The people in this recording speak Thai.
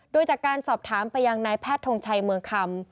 โดยจากการสอบถามไปยังนายแพทย์ทงชัยเมืองคำ